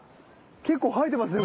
結構生えてますね